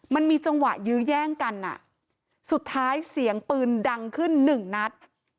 มันมีจังหวะยื้อแย่งกันอ่ะสุดท้ายเสียงปืนดังขึ้นหนึ่งนัด